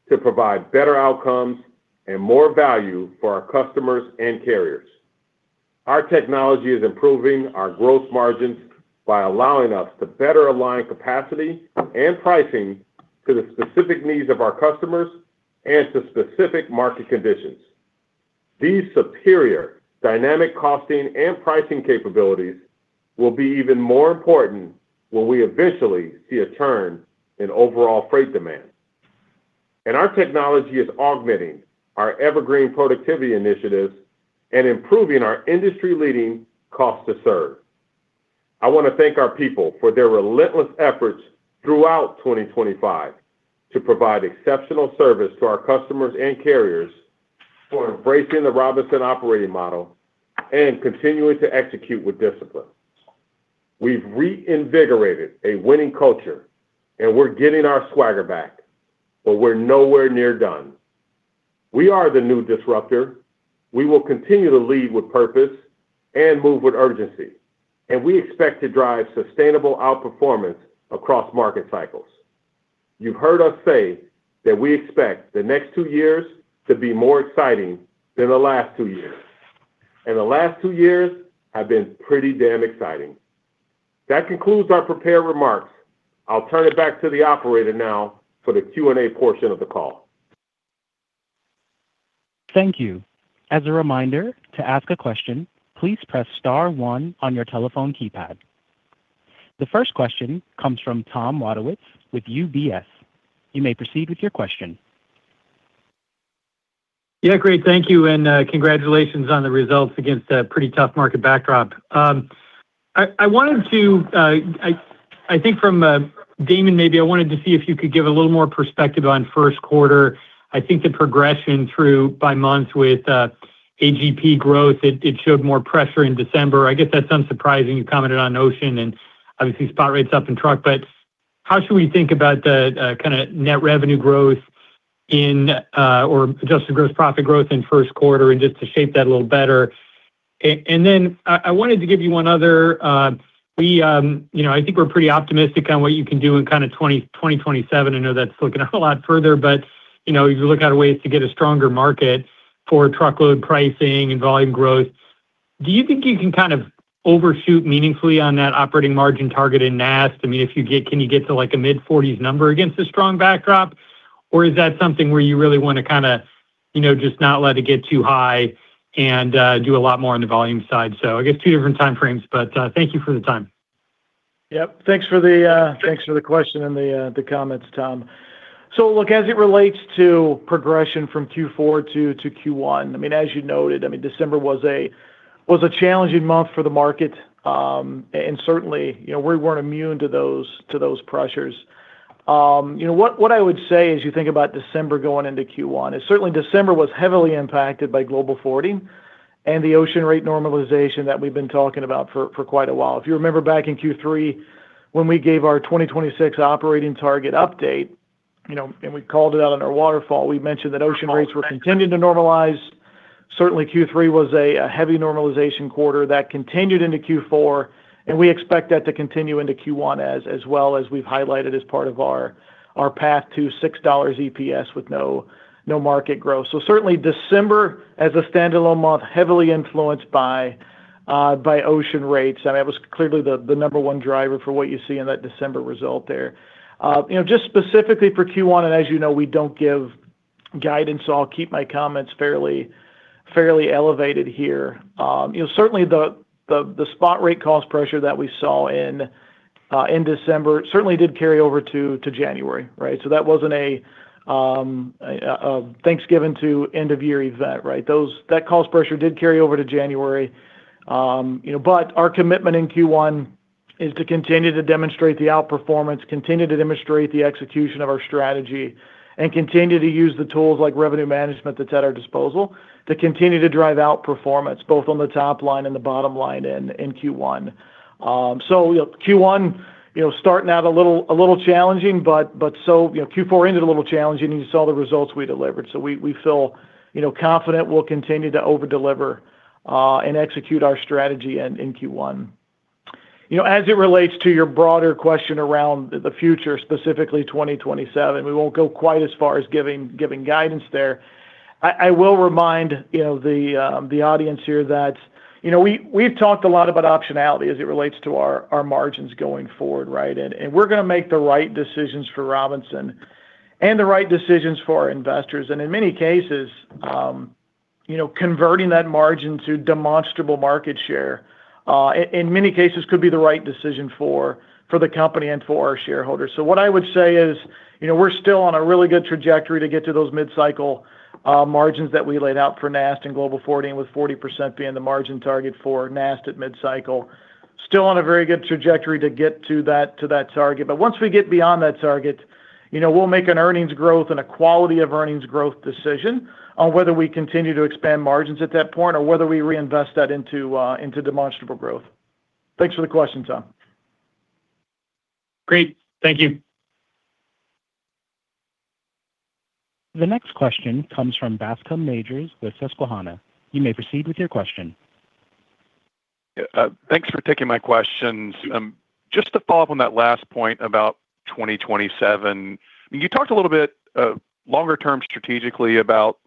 to provide better outcomes and more value for our customers and carriers. Our technology is improving our gross margins by allowing us to better align capacity and pricing to the specific needs of our customers and to specific market conditions. These superior dynamic costing and pricing capabilities will be even more important when we eventually see a turn in overall freight demand. Our technology is augmenting our evergreen productivity initiatives and improving our industry-leading cost to serve. I want to thank our people for their relentless efforts throughout 2025 to provide exceptional service to our customers and carriers, for embracing the Robinson operating model, and continuing to execute with discipline. We've reinvigorated a winning culture, and we're getting our swagger back, but we're nowhere near done. We are the new disruptor. We will continue to lead with purpose and move with urgency, and we expect to drive sustainable outperformance across market cycles. You've heard us say that we expect the next two years to be more exciting than the last two years, and the last two years have been pretty damn exciting. That concludes our prepared remarks. I'll turn it back to the operator now for the Q&A portion of the call. Thank you. As a reminder, to ask a question, please press star one on your telephone keypad. The first question comes from Tom Wadewitz with UBS. You may proceed with your question. Yeah, great. Thank you, and congratulations on the results against a pretty tough market backdrop. I wanted to see if you could give a little more perspective on first quarter from Damon, maybe. I think the progression through by month with AGP growth. It showed more pressure in December. I guess that's unsurprising. You commented on ocean and obviously spot rates up in truck. But how should we think about the kind of net revenue growth in or adjusted gross profit growth in first quarter and just to shape that a little better? Then I wanted to give you one other. You know, I think we're pretty optimistic on what you can do in kind of 2027. I know that's looking a lot further, but, you know, you look out of ways to get a stronger market for truckload pricing and volume growth. Do you think you can kind of overshoot meaningfully on that operating margin target in NAST? I mean, if you get-- can you get to, like, a mid-forties number against a strong backdrop? Or is that something where you really want to kind of, you know, just not let it get too high and, do a lot more on the volume side? So I guess two different time frames, but, thank you for the time. Yep. Thanks for the question and the comments, Tom. So look, as it relates to progression from Q4 to Q1, I mean, as you noted, I mean, December was a challenging month for the market, and certainly, you know, we weren't immune to those pressures. You know what I would say as you think about December going into Q1, is certainly December was heavily impacted by Global Forwarding and the ocean rate normalization that we've been talking about for quite a while. If you remember back in Q3, when we gave our 2026 operating target update, you know, and we called it out on our waterfall, we mentioned that ocean rates were continuing to normalize. Certainly, Q3 was a heavy normalization quarter that continued into Q4, and we expect that to continue into Q1 as well as we've highlighted as part of our path to $6 EPS with no market growth. So certainly December as a standalone month, heavily influenced by ocean rates, and that was clearly the number one driver for what you see in that December result there. You know, just specifically for Q1, and as you know, we don't give guidance, so I'll keep my comments fairly elevated here. You know, certainly the spot rate cost pressure that we saw in December certainly did carry over to January, right? So that wasn't a Thanksgiving to end of year event, right? That cost pressure did carry over to January. You know, but our commitment in Q1 is to continue to demonstrate the outperformance, continue to demonstrate the execution of our strategy, and continue to use the tools like revenue management that's at our disposal, to continue to drive outperformance, both on the top line and the bottom line in Q1. So, you know, Q1, you know, starting out a little challenging, but so... You know, Q4 ended a little challenging, and you saw the results we delivered. So we feel, you know, confident we'll continue to over-deliver and execute our strategy in Q1. You know, as it relates to your broader question around the future, specifically 2027, we won't go quite as far as giving guidance there. I will remind, you know, the audience here that, you know, we've talked a lot about optionality as it relates to our margins going forward, right? And we're going to make the right decisions for Robinson and the right decisions for our investors. And in many cases, you know, converting that margin to demonstrable market share, in many cases, could be the right decision for the company and for our shareholders. So what I would say is, you know, we're still on a really good trajectory to get to those mid-cycle margins that we laid out for NAST and Global Forwarding, with 40% being the margin target for NAST at mid-cycle. Still on a very good trajectory to get to that target. But once we get beyond that target, you know, we'll make an earnings growth and a quality of earnings growth decision on whether we continue to expand margins at that point or whether we reinvest that into demonstrable growth. Thanks for the question, Tom. Great. Thank you. The next question comes from Bascome Majors with Susquehanna. You may proceed with your question. Thanks for taking my questions. Just to follow up on that last point about 2027. You talked a little bit longer term strategically about,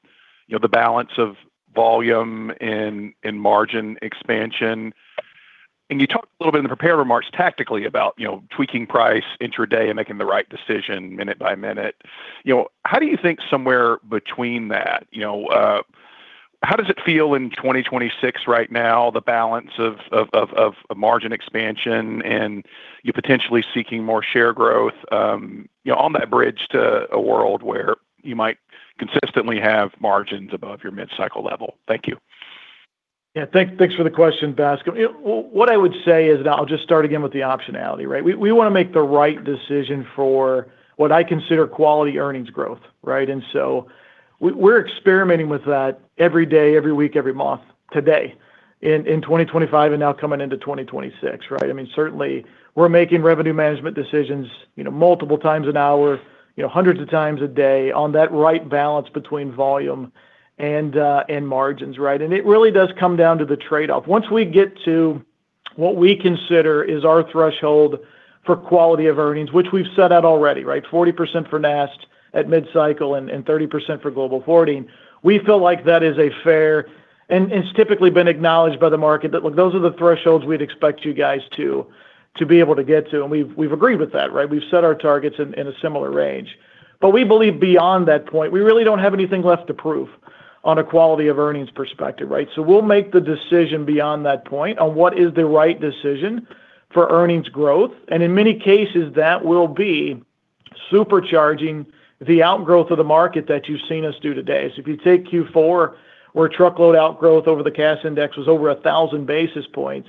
you know, the balance of volume and margin expansion, and you talked a little bit in the prepared remarks tactically about, you know, tweaking price intraday and making the right decision minute by minute. You know, how do you think somewhere between that, you know, how does it feel in 2026 right now, the balance of margin expansion and you potentially seeking more share growth, you know, on that bridge to a world where you might consistently have margins above your mid-cycle level? Thank you. Yeah. Thanks for the question, Bascome. You know, what I would say is, and I'll just start again with the optionality, right? We, we want to make the right decision for what I consider quality earnings growth, right? And so we're experimenting with that every day, every week, every month, today, in 2025 and now coming into 2026, right? I mean, certainly we're making revenue management decisions, you know, multiple times an hour, you know, hundreds of times a day on that right balance between volume and margins, right? And it really does come down to the trade-off. Once we get to what we consider is our threshold for quality of earnings, which we've set out already, right? 40% for NAST at mid-cycle and 30% for Global Forwarding. We feel like that is a fair... It's typically been acknowledged by the market that, look, those are the thresholds we'd expect you guys to be able to get to, and we've agreed with that, right? We've set our targets in a similar range. But we believe beyond that point, we really don't have anything left to prove on a quality of earnings perspective, right? So we'll make the decision beyond that point on what is the right decision for earnings growth, and in many cases, that will be supercharging the outgrowth of the market that you've seen us do today. So if you take Q4, where truckload outgrowth over the Cass index was over 1000 basis points,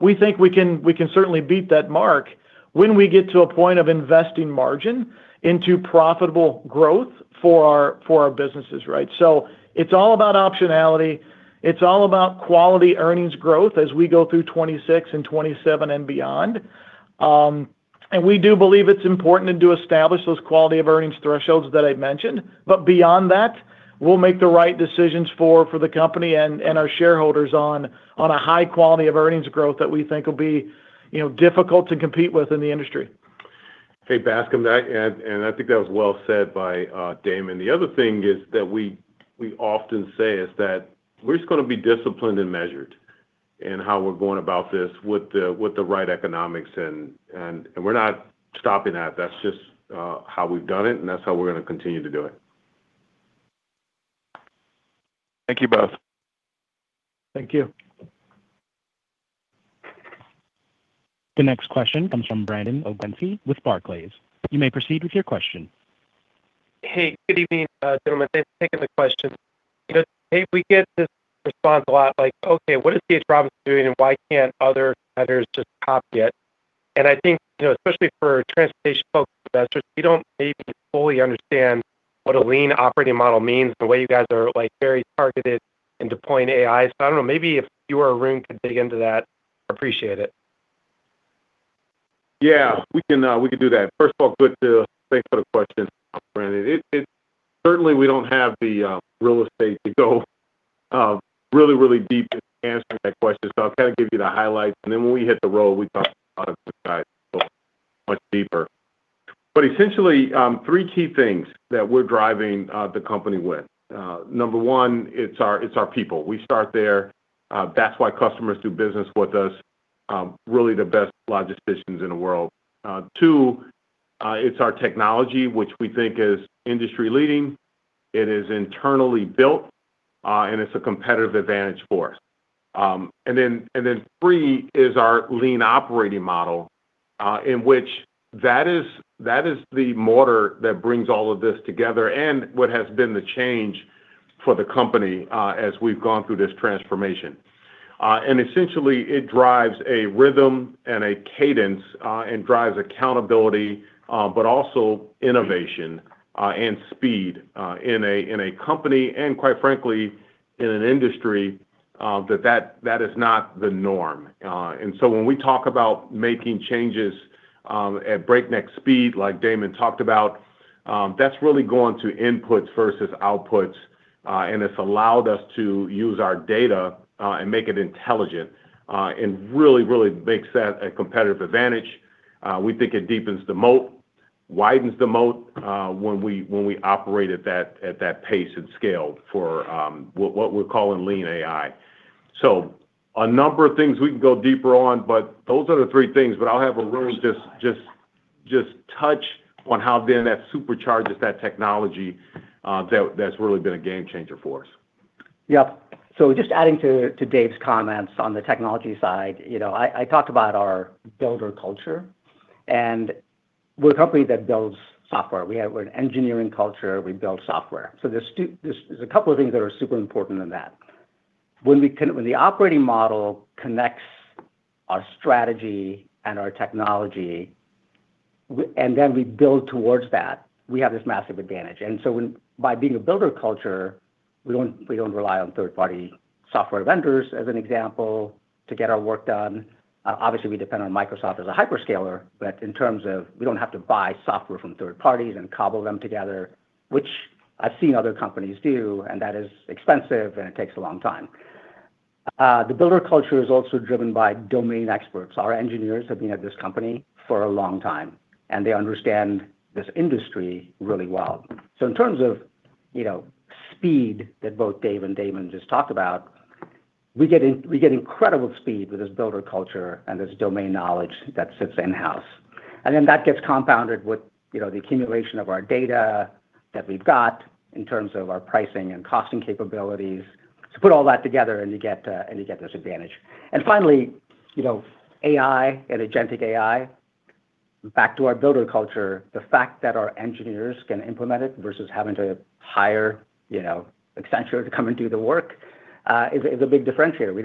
we think we can certainly beat that mark when we get to a point of investing margin into profitable growth for our businesses, right? So it's all about optionality. It's all about quality earnings growth as we go through 2026 and 2027 and beyond.... and we do believe it's important to establish those quality of earnings thresholds that I mentioned. But beyond that, we'll make the right decisions for the company and our shareholders on a high quality of earnings growth that we think will be, you know, difficult to compete with in the industry. Hey, Bascome, that and I think that was well said by Damon. The other thing is that we often say is that we're just gonna be disciplined and measured in how we're going about this with the right economics, and we're not stopping that. That's just how we've done it, and that's how we're gonna continue to do it. Thank you both. Thank you. The next question comes from Brandon Oglenski with Barclays. You may proceed with your question. Hey, good evening, gentlemen. Thanks for taking the question. You know, Dave, we get this response a lot like, "Okay, what is C.H. Robinson doing, and why can't other others just copy it?" And I think, you know, especially for transportation folks, investors, we don't maybe fully understand what a lean operating model means, the way you guys are, like, very targeted into point AI. So I don't know, maybe if you or Arun could dig into that, I appreciate it. Yeah, we can do that. First of all, thanks for the question, Brandon. It certainly, we don't have the real estate to go really, really deep in answering that question, so I'll kind of give you the highlights, and then when we hit the road, we talk a lot of guys much deeper. But essentially, three key things that we're driving the company with. Number one, it's our people. We start there. That's why customers do business with us, really the best logisticians in the world. Two, it's our technology, which we think is industry-leading. It is internally built, and it's a competitive advantage for us. And then three is our lean operating model, in which that is the motor that brings all of this together and what has been the change for the company, as we've gone through this transformation. Essentially, it drives a rhythm and a cadence, and drives accountability, but also innovation, and speed, in a company and, quite frankly, in an industry, that is not the norm. So when we talk about making changes at breakneck speed, like Damon talked about, that's really going to inputs versus outputs, and it's allowed us to use our data and make it intelligent, and really, really makes that a competitive advantage. We think it deepens the moat, widens the moat, when we operate at that pace and scale for what we're calling Lean AI. So a number of things we can go deeper on, but those are the three things. But I'll have Arun just touch on how then that supercharges that technology, that's really been a game changer for us. Yep. So just adding to, to Dave's comments on the technology side, you know, I, I talked about our Builder culture, and we're a company that builds software. We have an engineering culture, we build software. So there's a couple of things that are super important in that. When the operating model connects our strategy and our technology, and then we build towards that, we have this massive advantage. And so when, by being a Builder culture, we don't, we don't rely on third-party software vendors, as an example, to get our work done. Obviously, we depend on Microsoft as a hyperscaler, but in terms of we don't have to buy software from third parties and cobble them together, which I've seen other companies do, and that is expensive, and it takes a long time. The builder culture is also driven by domain experts. Our engineers have been at this company for a long time, and they understand this industry really well. So in terms of, you know, speed that both Dave and Damon just talked about, we get incredible speed with this builder culture and this domain knowledge that sits in-house. And then that gets compounded with, you know, the accumulation of our data that we've got in terms of our pricing and costing capabilities. So put all that together, and you get, and you get this advantage. And finally, you know, AI and agentic AI, back to our builder culture, the fact that our engineers can implement it versus having to hire, you know, Accenture to come and do the work, is a big differentiator. We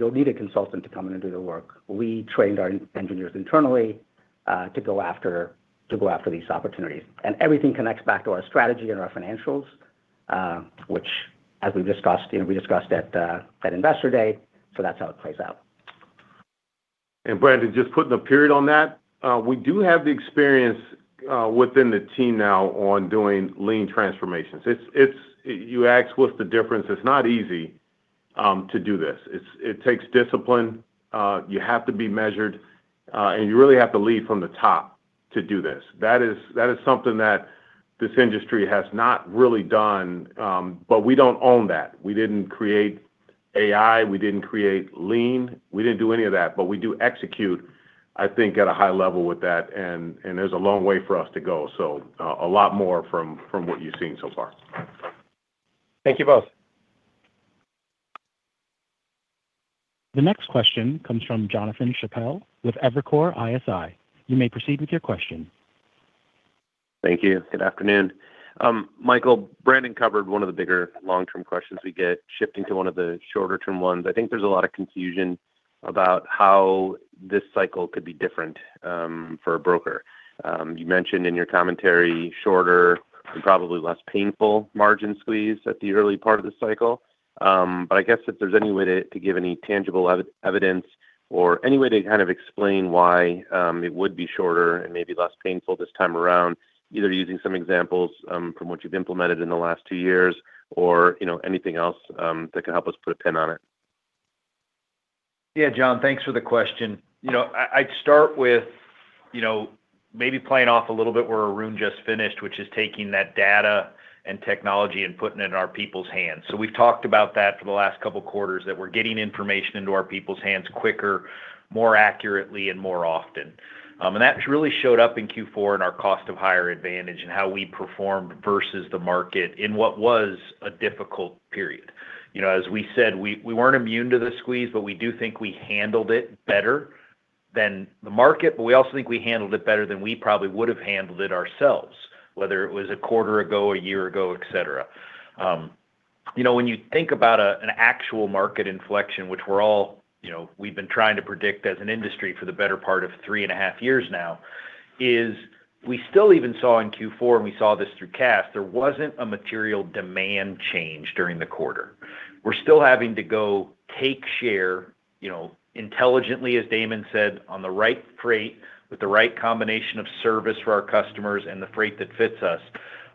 don't need a consultant to come in and do the work. We trained our engineers internally to go after these opportunities. And everything connects back to our strategy and our financials, which, as we've discussed, you know, we discussed at Investor Day, so that's how it plays out. Brandon, just putting a period on that, we do have the experience within the team now on doing lean transformations. It's, you asked what's the difference? It's not easy to do this. It takes discipline, you have to be measured, and you really have to lead from the top to do this. That is something that this industry has not really done, but we don't own that. We didn't create AI, we didn't create lean, we didn't do any of that, but we do execute, I think, at a high level with that, and there's a long way for us to go. So, a lot more from what you've seen so far. Thank you both. The next question comes from Jonathan Chappell with Evercore ISI. You may proceed with your question. Thank you. Good afternoon. Michael, Brandon covered one of the bigger long-term questions we get, shifting to one of the shorter-term ones. I think there's a lot of confusion about how this cycle could be different, for a broker.... you mentioned in your commentary, shorter and probably less painful margin squeeze at the early part of the cycle. But I guess if there's any way to give any tangible evidence or any way to kind of explain why it would be shorter and maybe less painful this time around, either using some examples from what you've implemented in the last two years, or, you know, anything else that could help us put a pin on it? Yeah, John, thanks for the question. You know, I'd start with, you know, maybe playing off a little bit where Arun just finished, which is taking that data and technology and putting it in our people's hands. So we've talked about that for the last couple of quarters, that we're getting information into our people's hands quicker, more accurately, and more often. And that's really showed up in Q4 in our cost of hire advantage and how we performed versus the market in what was a difficult period. You know, as we said, we weren't immune to the squeeze, but we do think we handled it better than the market, but we also think we handled it better than we probably would have handled it ourselves, whether it was a quarter ago, a year ago, et cetera. You know, when you think about an actual market inflection, which we're all—you know, we've been trying to predict as an industry for the better part of three and a half years now—is we still even saw in Q4, and we saw this through Cass, there wasn't a material demand change during the quarter. We're still having to go take share, you know, intelligently, as Damon said, on the right freight, with the right combination of service for our customers and the freight that fits us.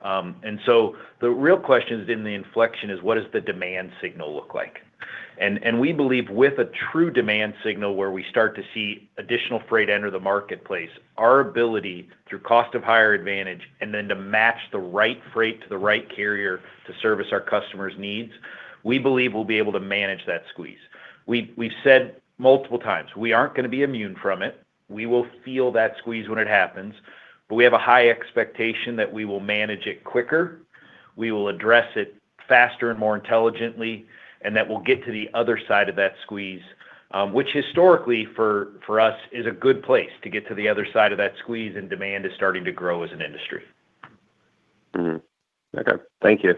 And so the real question is in the inflection is, what does the demand signal look like? We believe with a true demand signal where we start to see additional freight enter the marketplace, our ability through cost of hire advantage, and then to match the right freight to the right carrier to service our customers' needs, we believe we'll be able to manage that squeeze. We've said multiple times, we aren't going to be immune from it. We will feel that squeeze when it happens, but we have a high expectation that we will manage it quicker, we will address it faster and more intelligently, and that we'll get to the other side of that squeeze, which historically for us is a good place to get to the other side of that squeeze, and demand is starting to grow as an industry. Mm-hmm. Okay, thank you.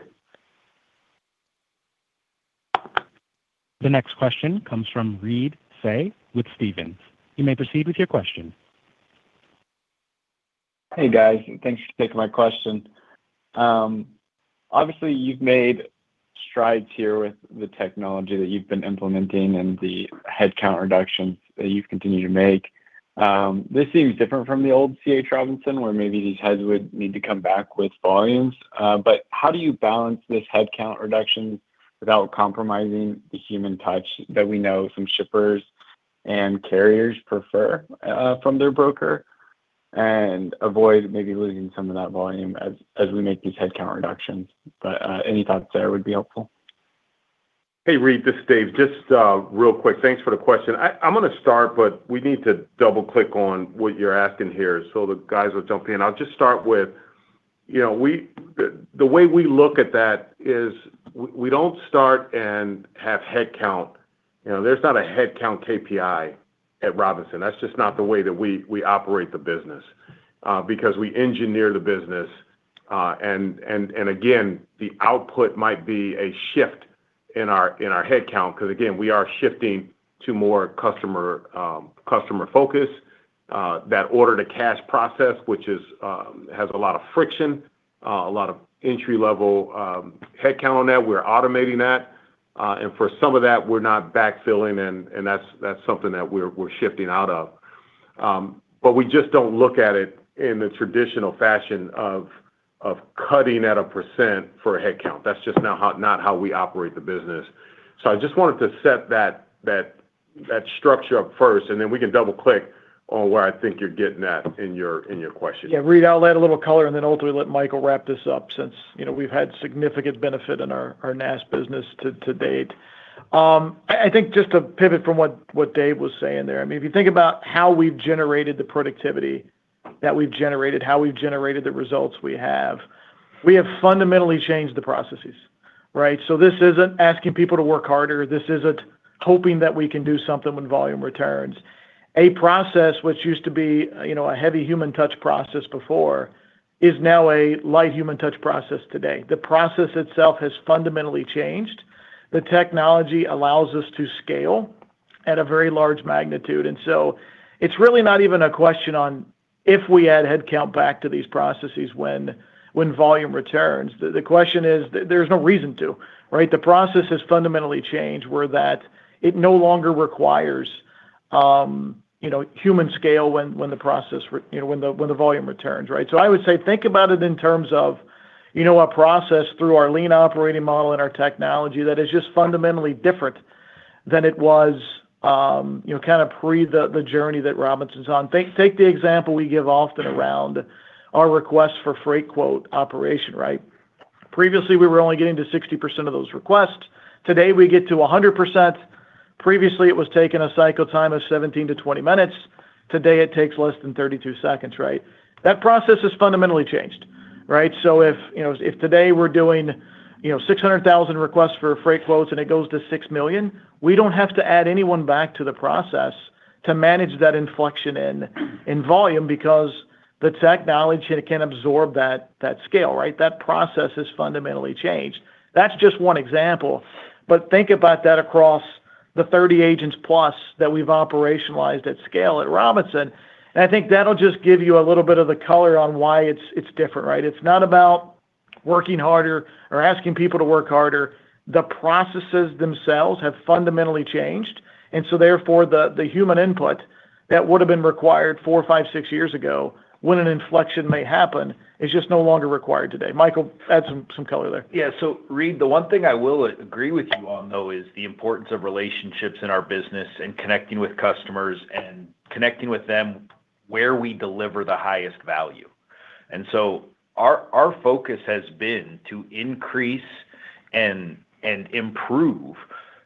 The next question comes from Reed Seay with Stephens. You may proceed with your question. Hey, guys, thanks for taking my question. Obviously, you've made strides here with the technology that you've been implementing and the headcount reductions that you've continued to make. This seems different from the old C.H. Robinson, where maybe these heads would need to come back with volumes. But how do you balance this headcount reductions without compromising the human touch that we know some shippers and carriers prefer from their broker, and avoid maybe losing some of that volume as we make these headcount reductions? But, any thoughts there would be helpful. Hey, Reed, this is Dave. Just real quick, thanks for the question. I'm going to start, but we need to double-click on what you're asking here, so the guys will jump in. I'll just start with, you know, the way we look at that is we don't start and have headcount. You know, there's not a headcount KPI at Robinson. That's just not the way that we operate the business, because we engineer the business. And again, the output might be a shift in our headcount, 'cause again, we are shifting to more customer focus, that order to cash process, which has a lot of friction, a lot of entry-level headcount on that. We're automating that, and for some of that, we're not backfilling, and that's something that we're shifting out of. But we just don't look at it in the traditional fashion of cutting at a percent for a headcount. That's just not how we operate the business. So I just wanted to set that structure up first, and then we can double-click on where I think you're getting at in your question. Yeah, Reed, I'll add a little color, and then ultimately, let Michael wrap this up, since, you know, we've had significant benefit in our NAST business to date. I think just to pivot from what Dave was saying there, I mean, if you think about how we've generated the productivity that we've generated, how we've generated the results we have, we have fundamentally changed the processes, right? So this isn't asking people to work harder. This isn't hoping that we can do something when volume returns. A process which used to be, you know, a heavy human touch process before, is now a light human touch process today. The process itself has fundamentally changed. The technology allows us to scale at a very large magnitude, and so it's really not even a question on if we add headcount back to these processes when volume returns. The question is, there's no reason to, right? The process has fundamentally changed, where that it no longer requires you know, human scale when the process re-- you know, when the volume returns, right? So I would say think about it in terms of, you know, a process through our lean operating model and our technology that is just fundamentally different than it was, kind of pre the journey that Robinson's on. Take the example we give often around our request for freight quote operation, right? Previously, we were only getting to 60% of those requests. Today, we get to 100%. Previously, it was taking a cycle time of 17-20 minutes. Today, it takes less than 32 seconds, right? That process has fundamentally changed, right? So if, you know, if today we're doing, you know, 600,000 requests for freight quotes and it goes to 6 million, we don't have to add anyone back to the process to manage that inflection in, in volume because the technology, it can absorb that, that scale, right? That process has fundamentally changed. That's just one example, but think about that across- ... the 30 agents+ that we've operationalized at scale at Robinson, and I think that'll just give you a little bit of the color on why it's, it's different, right? It's not about working harder or asking people to work harder. The processes themselves have fundamentally changed, and so therefore, the, the human input that would have been required 4, 5, 6 years ago when an inflection may happen, is just no longer required today. Michael, add some, some color there. Yeah. So, Reed, the one thing I will agree with you on, though, is the importance of relationships in our business and connecting with customers, and connecting with them where we deliver the highest value. And so our focus has been to increase and improve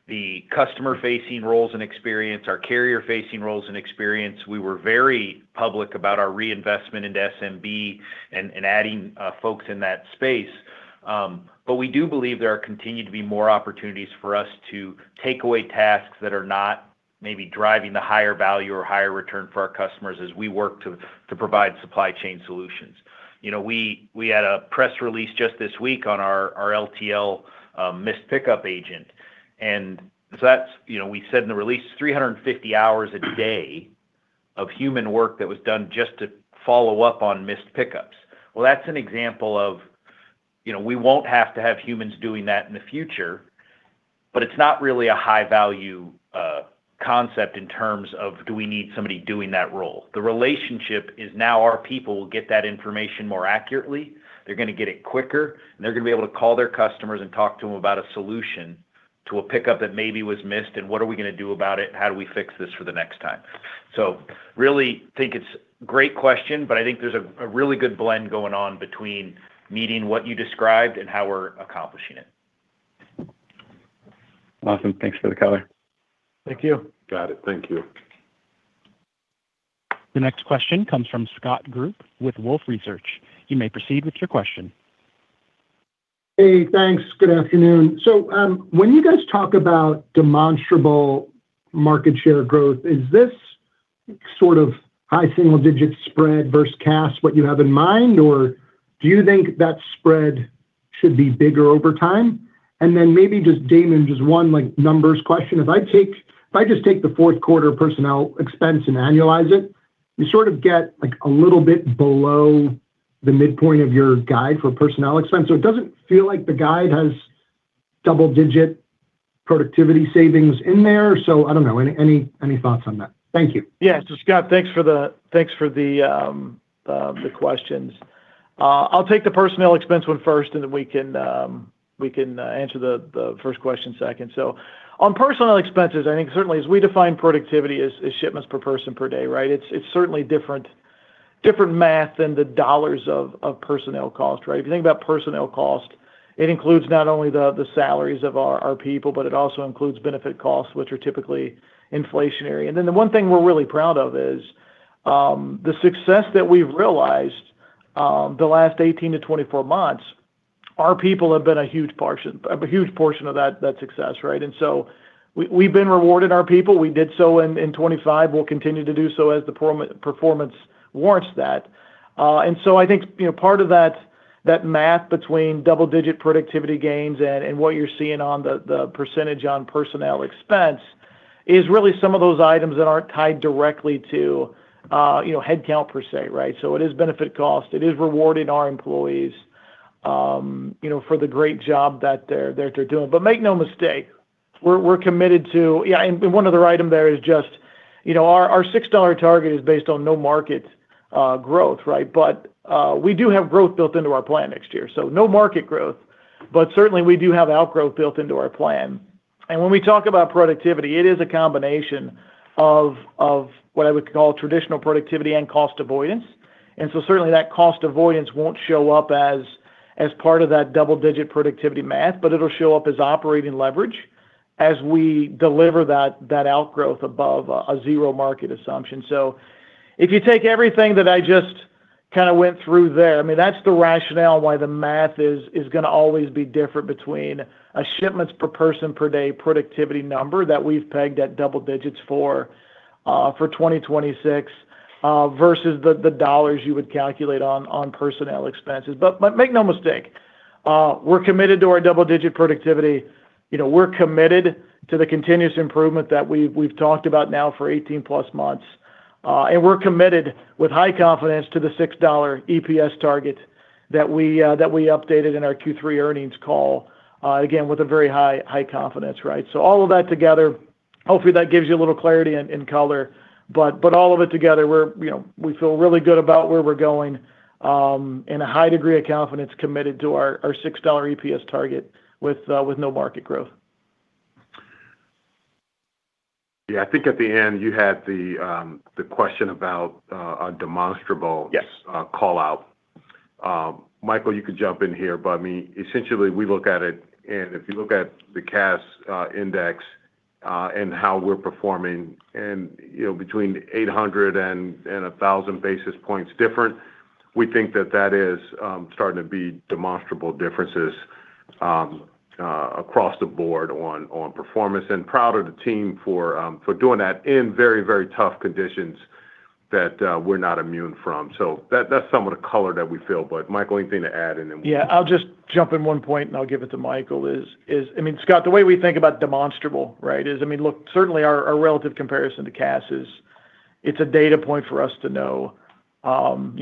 the customer-facing roles and experience, our carrier-facing roles and experience. We were very public about our reinvestment into SMB and adding folks in that space. But we do believe there are continued to be more opportunities for us to take away tasks that are not maybe driving the higher value or higher return for our customers as we work to provide supply chain solutions. You know, we had a press release just this week on our LTL missed pickup agent, and so that's, you know, we said in the release, 350 hours a day of human work that was done just to follow up on missed pickups. Well, that's an example of, you know, we won't have to have humans doing that in the future, but it's not really a high value concept in terms of do we need somebody doing that role? The relationship is now our people will get that information more accurately, they're gonna get it quicker, and they're gonna be able to call their customers and talk to them about a solution to a pickup that maybe was missed, and what are we gonna do about it, and how do we fix this for the next time? I really think it's a great question, but I think there's a really good blend going on between meeting what you described and how we're accomplishing it. Awesome. Thanks for the color. Thank you. Got it. Thank you. The next question comes from Scott Group with Wolfe Research. You may proceed with your question. Hey, thanks. Good afternoon. So, when you guys talk about demonstrable market share growth, is this sort of high single-digit spread versus Cass what you have in mind, or do you think that spread should be bigger over time? And then maybe just, Damon, just one, like, numbers question. If I just take the fourth quarter personnel expense and annualize it, you sort of get, like, a little bit below the midpoint of your guide for personnel expense. So it doesn't feel like the guide has double-digit productivity savings in there. So I don't know. Any thoughts on that? Thank you. Yeah. So, Scott, thanks for the questions. I'll take the personnel expense one first, and then we can answer the first question second. So on personnel expenses, I think certainly as we define productivity as shipments per person per day, right? It's certainly different math than the dollars of personnel cost, right? If you think about personnel cost, it includes not only the salaries of our people, but it also includes benefit costs, which are typically inflationary. And then the one thing we're really proud of is the success that we've realized the last 18-24 months, our people have been a huge portion of that success, right? And so we, we've been rewarding our people. We did so in 2025. We'll continue to do so as the performance warrants that. And so I think, you know, part of that math between double-digit productivity gains and what you're seeing on the percentage on personnel expense is really some of those items that aren't tied directly to, you know, headcount per se, right? So it is benefit cost. It is rewarding our employees, you know, for the great job that they're doing. But make no mistake, we're committed to... Yeah, and one other item there is just, you know, our $6 target is based on no market growth, right? But we do have growth built into our plan next year. So no market growth, but certainly we do have outgrowth built into our plan. And when we talk about productivity, it is a combination of what I would call traditional productivity and cost avoidance. And so certainly that cost avoidance won't show up as part of that double-digit productivity math, but it'll show up as operating leverage as we deliver that outgrowth above a zero market assumption. So if you take everything that I just kind of went through there, I mean, that's the rationale why the math is gonna always be different between a shipments per person per day productivity number that we've pegged at double digits for 2026 versus the dollars you would calculate on personnel expenses. But make no mistake, we're committed to our double-digit productivity. You know, we're committed to the continuous improvement that we've talked about now for 18+ months. And we're committed with high confidence to the $6 EPS target that we, that we updated in our Q3 earnings call, again, with a very high, high confidence, right? So all of that together, hopefully, that gives you a little clarity and, and color. But, but all of it together, we're, you know, we feel really good about where we're going, and a high degree of confidence committed to our, our $6 EPS target with, with no market growth. Yeah, I think at the end you had the question about a demonstrable- Yes... call-out. Michael, you could jump in here, but I mean, essentially, we look at it, and if you look at the Cass index and how we're performing and, you know, between 800 and 1,000 basis points different, we think that that is starting to be demonstrable differences across the board on performance. And proud of the team for doing that in very, very tough conditions.... that, we're not immune from. So that's some of the color that we feel. But Michael, anything to add, and then- Yeah, I'll just jump in one point, and I'll give it to Michael. I mean, Scott, the way we think about demonstrable, right, is, I mean, look, certainly our relative comparison to Cass is. It's a data point for us to know, you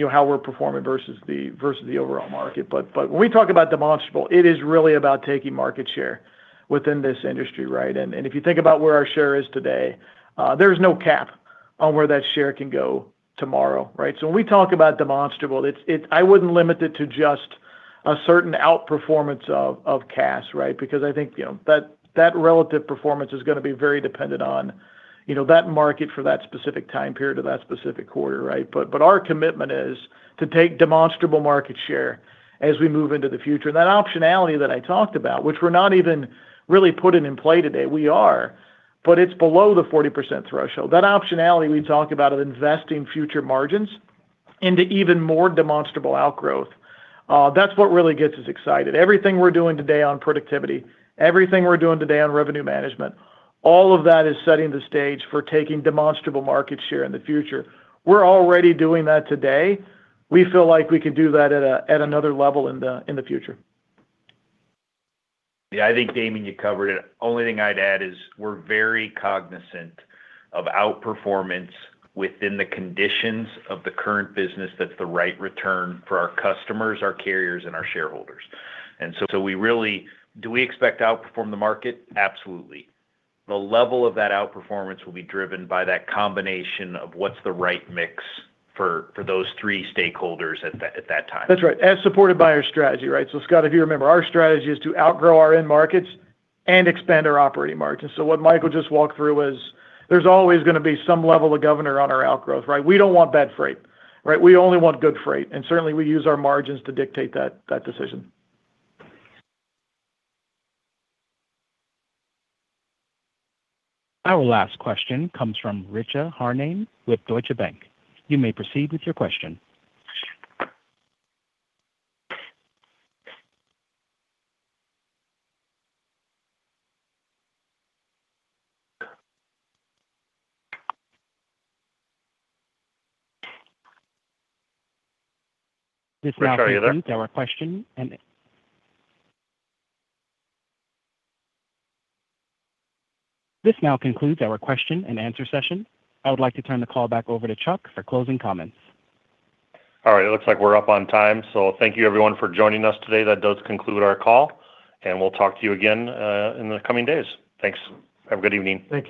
know, how we're performing versus the overall market. But when we talk about demonstrable, it is really about taking market share within this industry, right? And if you think about where our share is today, there's no cap on where that share can go tomorrow, right? So when we talk about demonstrable, it's. I wouldn't limit it to just a certain outperformance of Cass, right? Because I think, you know, that relative performance is gonna be very dependent on, you know, that market for that specific time period or that specific quarter, right? But our commitment is to take demonstrable market share as we move into the future. That optionality that I talked about, which we're not even really putting in play today, we are, but it's below the 40% threshold. That optionality we talked about of investing future margins into even more demonstrable outgrowth, that's what really gets us excited. Everything we're doing today on productivity, everything we're doing today on revenue management, all of that is setting the stage for taking demonstrable market share in the future. We're already doing that today. We feel like we can do that at another level in the future. Yeah, I think, Damon, you covered it. Only thing I'd add is we're very cognizant of outperformance within the conditions of the current business that's the right return for our customers, our carriers, and our shareholders. So we really... Do we expect to outperform the market? Absolutely. The level of that outperformance will be driven by that combination of what's the right mix for those three stakeholders at that time. That's right. As supported by our strategy, right? So Scott, if you remember, our strategy is to outgrow our end markets and expand our operating margins. So what Michael just walked through is there's always gonna be some level of governor on our outgrowth, right? We don't want bad freight, right? We only want good freight, and certainly we use our margins to dictate that, that decision. Our last question comes from Richa Harnain with Deutsche Bank. You may proceed with your question. Richa, are you there? This now concludes our question and answer session. I would like to turn the call back over to Chuck for closing comments. All right, it looks like we're up on time, so thank you everyone for joining us today. That does conclude our call, and we'll talk to you again in the coming days. Thanks. Have a good evening. Thank you.